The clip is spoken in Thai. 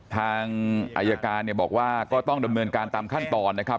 ทางอายการเนี่ยบอกว่าก็ต้องดำเนินการตามขั้นตอนนะครับ